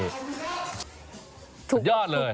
สุดยอดเลย